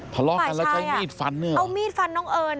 ฝ่ายชายอ่ะเอามีดฟันนี่เหรอฝ่ายชายอ่ะเอามีดฟันน้องเอิญ